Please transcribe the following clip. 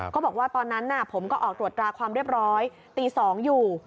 ก็บอกว่าผมตอนนั้นอยู่วันตอนตี๒อยู่